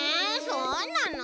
そうなの！